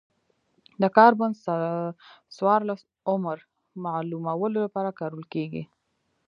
د کاربن څورلس عمر معلومولو لپاره کارول کېږي.